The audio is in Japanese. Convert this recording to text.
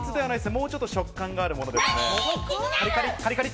もうちょっと食感があるものです。